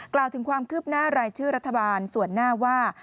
กล่าวถึงความคืบหน้ารายชื่อรัฐบาลส่วนหน้าว่า